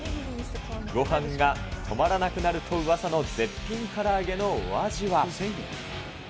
ごはんが止まらなくなるとうわさの絶品から揚げのお味は。